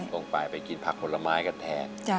ต้องไปไปกินผักผลไม้กันแทน